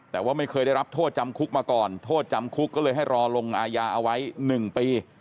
แต่ว่าไม่เคยได้รับโทษจำคุกมาก่อนโทษจำคุกก็เลยให้รอลงอาญาเอาไว้๑ปี